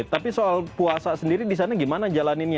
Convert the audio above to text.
tapi soal puasa sendiri di sana gimana jalan ini